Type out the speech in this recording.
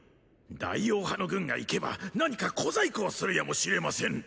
大王派の軍が行けば何か小細工をするやもしれません！